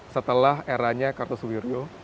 setelah eranya kartus wirjo